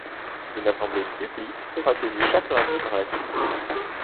Une assemblée publique sera tenue chaque lundi par la suite.